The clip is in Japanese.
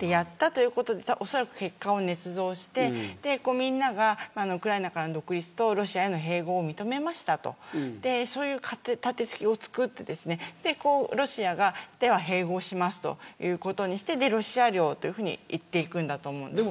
やったということでおそらく、結果を捏造してみんながウクライナからの独立とロシアへの併合を認めましたとそういう立て付けを作ってロシアが併合しますということにしてロシア領と言っていくんだと思います。